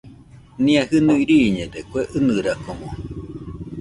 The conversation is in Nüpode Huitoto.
Nia jinui riiñede kue ɨnɨrano